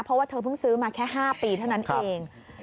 เพราะว่าเธอเพิ่งซื้อมาแค่๕ปีเท่านั้นเอง